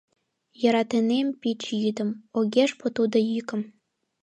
Йӧратынем пич йӱдым, огеш пу тудо йӱкым.